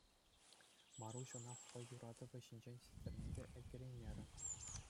Маруҫ ӑна хӑй юратӑвӗ ҫинчен систерме те ӗлкӗреймерӗ.